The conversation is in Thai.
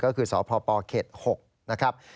ก็คือสพปเขต๖นะครับ